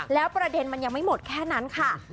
แล้วประเด็นมันยังไม่หมดแค่นั้นค่ะ